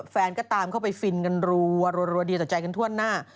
แฟนก็ตามเข้าไปฟินกันรัวเดียต่อใจกันทั่วหน้า